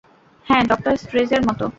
হ্যাঁ, ডক্টর স্ট্রেঞ্জের মতো।